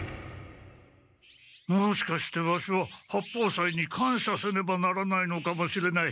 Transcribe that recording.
もしかしてワシは八方斎にかんしゃせねばならないのかもしれない。